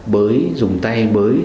bới dùng tay bới